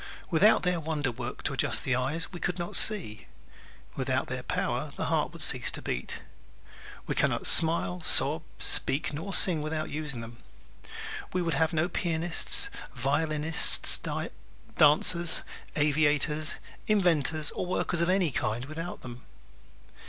Without their wonder work to adjust the eyes we could not see; without their power the heart would cease to beat. We can not smile, sob, speak nor sing without using them. We would have no pianists, violinists, dancers, aviators, inventors or workers of any kind without them.